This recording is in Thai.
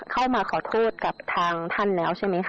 เข้ามาขอโทษกับทางท่านแล้วใช่ไหมคะ